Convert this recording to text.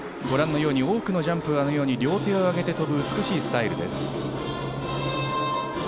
ご覧のように、多くのジャンプをあの様に両手を上げて跳ぶ美しいスタイルです。